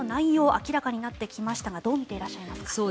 明らかになってきましたがどう見ていらっしゃいますか。